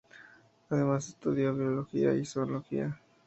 Además estudió biología y zoología.